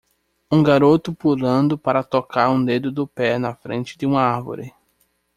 Um garoto pulando para tocar um dedo do pé na frente de uma árvore.